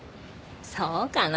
そうかな？